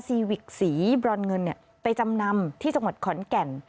ซีวิกสีบรอนเงินไปจำนำที่จังหวัดขอนแก่น